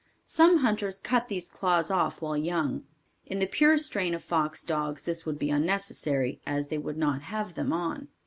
Some hunters cut these claws off while young. In the pure strain of fox dogs this would be unnecessary as they would not have them on.